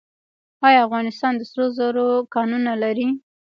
آیا افغانستان د سرو زرو کانونه لري؟